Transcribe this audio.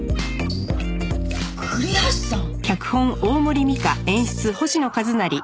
栗橋さん？